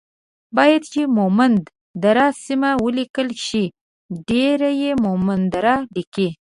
بايد چې مومند دره سمه وليکل شي ،ډير يي مومندره ليکي